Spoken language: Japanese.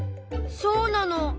そうなの。